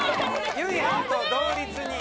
ゆいはんと同率２位。